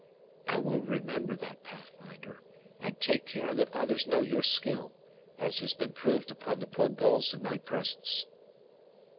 "I will remember that, Pathfinder, and take care that others know your skill, as it has been proved upon the poor gulls in my presence."